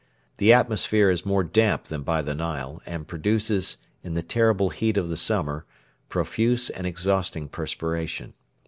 The atmosphere is more damp than by the Nile, and produces, in the terrible heat of the summer, profuse and exhausting perspiration.